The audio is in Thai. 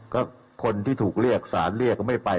ก็คนที่ถูกเรียกสารเรียกก็ไม่ไป